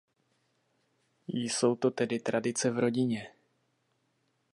Jsou to tedy tradice v rodině.